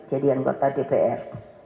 jadi anggota dpr